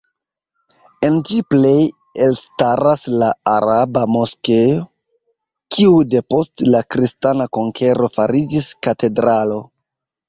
En ĝi plej elstaras la araba Moskeo, kiu depost la kristana konkero fariĝis katedralo.